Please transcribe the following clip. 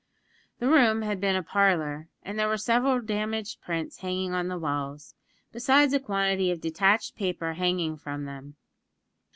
The room had been a parlour and there were several damaged prints hanging on the walls, besides a quantity of detached paper hanging from them.